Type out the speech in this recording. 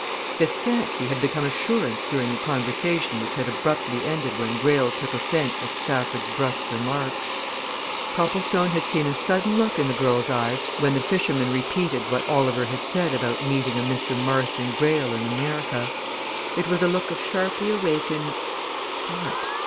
This fancy had become assurance during the conversation which had abruptly ended when Greyle took offence at Stafford's brusque remark. Copplestone had seen a sudden look in the girl's eyes when the fisherman repeated what Oliver had said about meeting a Mr. Marston Greyle in America; it was a look of sharply awakened what?